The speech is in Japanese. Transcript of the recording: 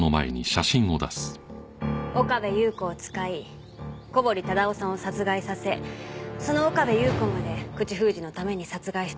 岡部祐子を使い小堀忠夫さんを殺害させその岡部祐子まで口封じのために殺害した男が。